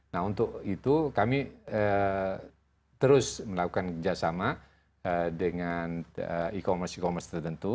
nah untuk itu kami terus melakukan kerjasama dengan e commerce e commerce tertentu